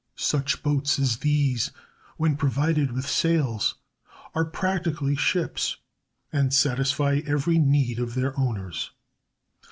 Such boats as these, when provided with sails, are practically "ships," and satisfy every need of their owners.